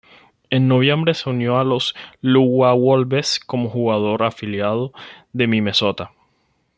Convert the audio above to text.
En noviembre se unió a los Iowa Wolves como jugador afiliado de Minnesota.